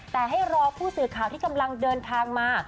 แต่ให้รอผู้สื่อข่าวที่กำลังเดินทางมา